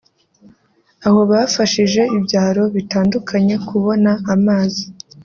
aho bafashije ibyaro bitandukanye kubona amazi